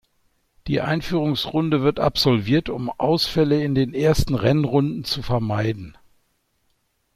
Die Einführungsrunde wird absolviert, um Ausfälle in den ersten Rennrunden zu vermeiden.